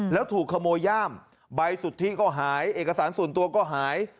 แล้วถูกขโมยย่ามใบสุทธิก็หายเอกสารส่วนตัวก็หาย